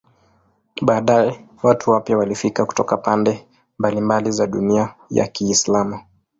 Baadaye watu wapya walifika kutoka pande mbalimbali za dunia ya Kiislamu.